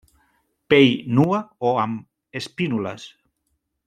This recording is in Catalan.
Pell nua o amb espínules.